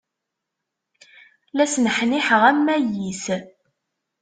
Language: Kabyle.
La sneḥniḥeɣ am wayis.